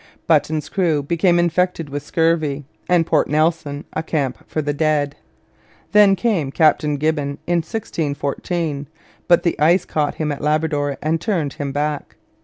Button's crew became infected with scurvy, and Port Nelson a camp for the dead. Then came Captain Gibbon in 1614; but the ice caught him at Labrador and turned him back.